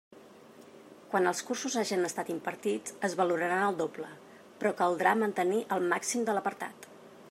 Quan els cursos hagen estat impartits, es valoraran el doble, però caldrà mantenir el màxim de l'apartat.